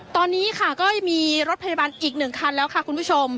ตอนนี้ค่ะก็ยังมีรถพยาบาลอีก๑คันแล้วค่ะคุณผู้ชม